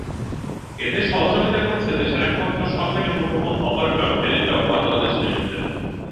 এতে সহযোগিতা করছে দেশের একমাত্র সরকারি মুঠোফোন অপারেটর টেলিটক বাংলাদেশ লিমিটেড।